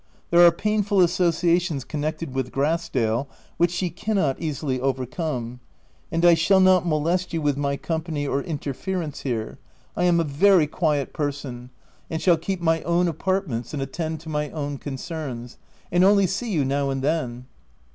There are painful associations connected with Grass dale, which she cannot easily overcome ; and I shall not molest you with my company or interference here: I am a very quiet person, Q 2 S40 THE TENANT and shall keep my own apartments and attend to my own concerns, and only see you now and then.